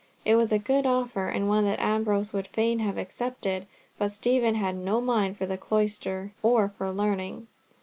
It was a good offer, and one that Ambrose would fain have accepted, but Stephen had no mind for the cloister or for learning.